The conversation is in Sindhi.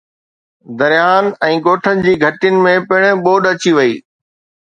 درياهن ۽ ڳوٺن جي گهٽين ۾ پڻ ٻوڏ اچي وئي